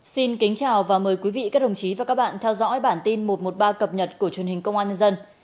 xin kính chào và mời quý vị các đồng chí và các bạn theo dõi bản tin một trăm một mươi ba cập nhật của truyền hình công an nhân dân